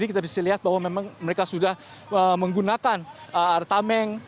jadi kita bisa lihat bahwa memang mereka sudah menggunakan artameng